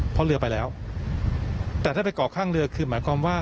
เพราะเรือไปแล้วแต่ถ้าไปก่อข้างเรือคือหมายความว่า